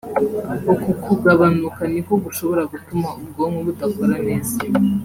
uku kugabanuka niko gushobora gutuma ubwonko budakora neza